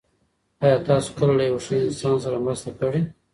آیا تاسو کله له یو ښه انسان سره مرسته کړې؟